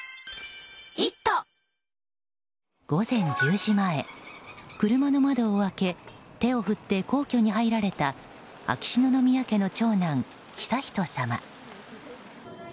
午前１０時前、車の窓を開け手を振って皇居に入られた秋篠宮家の長男・悠仁さま。